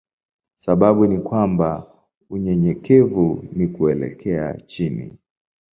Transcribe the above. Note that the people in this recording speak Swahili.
Sababu ni kwamba unyenyekevu ni kuelekea chini.